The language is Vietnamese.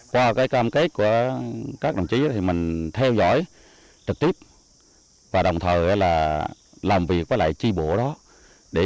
qua cái cam kết của các đồng chí thì mình theo dõi trực tiếp và đồng thời là làm việc với lại chi bộ đó